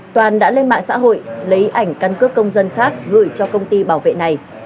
toàn đã lên mạng xã hội lấy ảnh căn cước công dân khác gửi cho công ty bảo vệ này